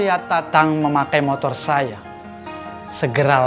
gdu jaga akan dukung juga ya mermaid